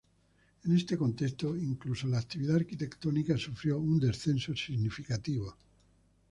En este contexto, incluso la actividad arquitectónica sufrió un descenso significativo.